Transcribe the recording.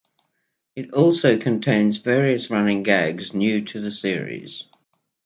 It also contains various running gags new to the series.